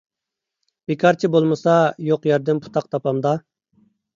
بىكارچى بولمىسا يوق يەردىن پۇتاق تاپامدا؟